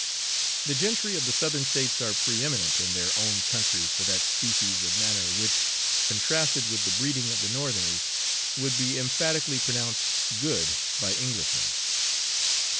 The gentry of the Southern States are preeminent in their own country for that species of manner which, contrasted with the breeding of the Northerners, would be emphatically pronounced 'good' by Englishmen.